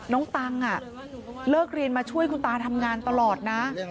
ตังค์เลิกเรียนมาช่วยคุณตาทำงานตลอดนะ